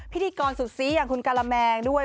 พิธีกรสุดซีอย่างคุณการาแมงด้วย